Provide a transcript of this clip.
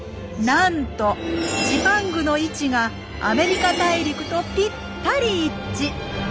なんとジパングの位置がアメリカ大陸とぴったり一致！